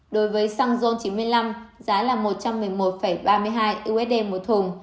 đối với xăng ron chín mươi năm giá là một trăm một mươi một ba mươi hai usd một thùng